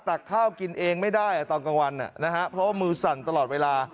ตักข้าวกินเองไม่ได้ตอนกลางวันเพราะว่ามือสั่นตลอดเวลา